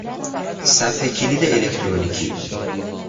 صفحه کلید الکترونیکی